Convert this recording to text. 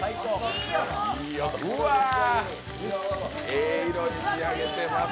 ええ色に仕上げてます。